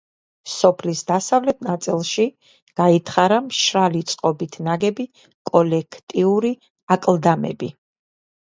სოფლის დასავლეთ ნაწილში გაითხარა მშრალი წყობით ნაგები კოლექტიური აკლდამები.